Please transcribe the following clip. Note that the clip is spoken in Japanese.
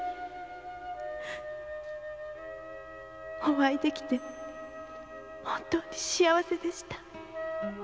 お会いできて本当に幸せでした